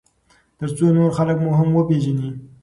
ترڅو نور خلک مو هم وپیژني.